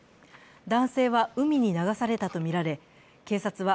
男性は海に流されたとみられ、警察は